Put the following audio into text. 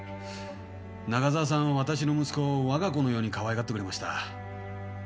中澤さんは私の息子を我が子のようにかわいがってくれました。